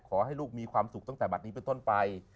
ขอให้ลูกมีความสุขตั้งแต่บัตรนี้เป็นต้นไป